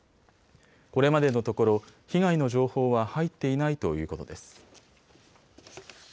これまでのところ被害の情報は入っていないということです。